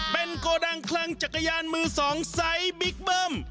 เป็นโกดังคลังจักรยานมือสองไซส์บิ๊กเบิ้ม